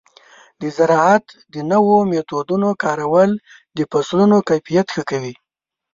د زراعت د نوو میتودونو کارول د فصلونو کیفیت ښه کوي.